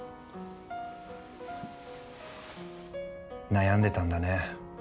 悩んでたんだね。